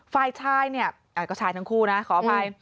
ฝ่ายชายเนี่ยก็ชายทั้งคู่นะขออภัย